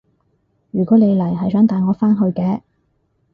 如果你嚟係想帶我返去嘅